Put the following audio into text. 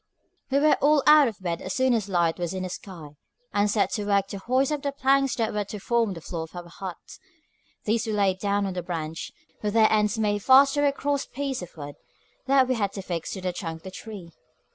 We were all out of bed as soon as light was in the sky, and set to work to hoist up the planks that were to form the floor of our hut. These we laid down on the branch, with their ends made fast to a cross piece of wood that we had to fix to the trunk of the tree.